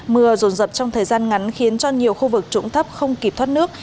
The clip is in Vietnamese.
mưa rồn rập trong thời gian ngắn khiến cho nhiều khu vực trũng thấp không kịp thoát nước